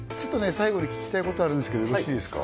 最後に聞きたいことあるんですけどよろしいですか？